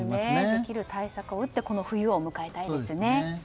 できる対策を打ってこの冬を迎えたいですね。